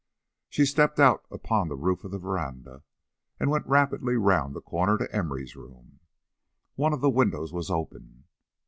She stepped out upon the roof of the veranda, and went rapidly round the corner to Emory's room. One of the windows was open.